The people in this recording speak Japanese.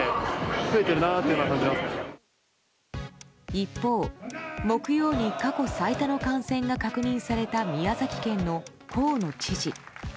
一方、木曜に過去最多の感染が確認された宮崎県の河野知事。